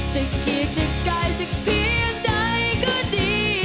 แต่เกียรติใกล้สักเพียงใดก็ดี